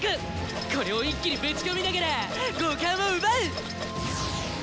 これを一気にぶちこみながら五感を奪う！